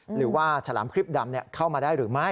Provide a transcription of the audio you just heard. หรือว่าฉลามคริปดำเข้ามาได้หรือไม่